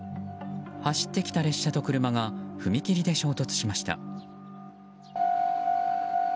走ってきた列車と車が踏切で衝突しました。